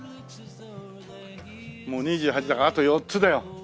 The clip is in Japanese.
もう２８だからあと４つだよ。